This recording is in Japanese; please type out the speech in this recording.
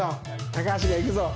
高橋が行くぞ。